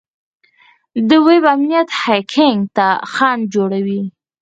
د ویب امنیت هیکینګ ته خنډ جوړوي.